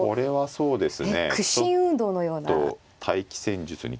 そうですね。